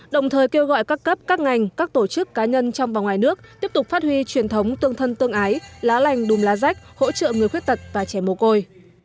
đồng thời kêu gọi các cấp các ngành các tổ chức cá nhân trong và ngoài nước tiếp tục phát huy truyền thống tương thân tương ái lá lành đùm lá rách hỗ trợ người khuyết tật và trẻ mồ côi